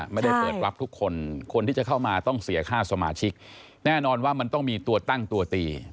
ไม่ได้เปิดรับทุกคนคนที่จะเข้ามาต้องเสียค่าสมาชิกแน่นอนว่ามันต้องมีตัวตั้งตัวตี